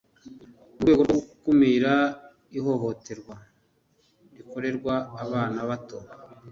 mu rwego rwo gukumira ihohoterwa rikorerwa abana bato